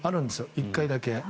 １回だけ。